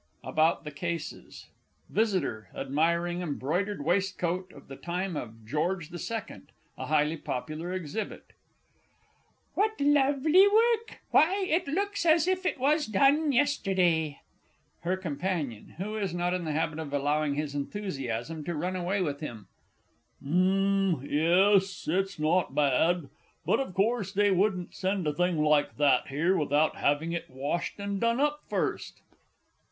ABOUT THE CASES. VISITOR (admiring an embroidered waistcoat of the time of George the Second a highly popular exhibit). What lovely work! Why, it looks as if it was done yesterday! HER COMPANION (who is not in the habit of allowing his enthusiasm to run away with him). Um yes, it's not bad. But, of course, they wouldn't send a thing like that here without having it washed and done up first!